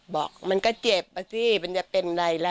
บอกมันก็เจ็บอ่ะสิมันจะเป็นอะไรล่ะ